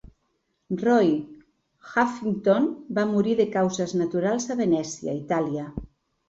Roy Huffington va morir de causes naturals a Venècia, Itàlia.